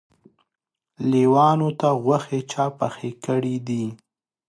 لېوانو ته غوښې چا پخې کړی دي.